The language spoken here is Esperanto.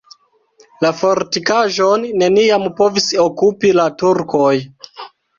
La fortikaĵon neniam povis okupi la turkoj.